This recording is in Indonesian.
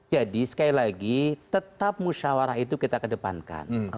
jadi sekali lagi tetap musyawarah itu kita kedepankan